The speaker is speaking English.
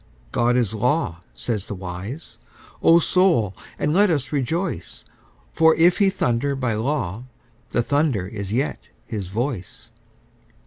God is law, say the wise; O Soul, and let us rejoice, For if He thunder by law the thunder is yet His voice.